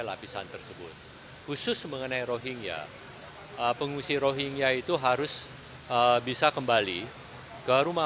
lapisan tersebut khusus mengenai rohingya pengungsi rohingya itu harus bisa kembali ke rumah